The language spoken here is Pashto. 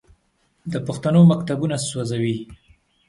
د پښتنو مکتبونه سوځوي.